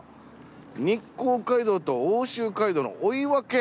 日光街道と奥州街道の追分。